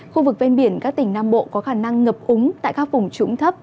khu vực ven biển các tỉnh nam bộ có khả năng ngập úng tại các vùng trũng thấp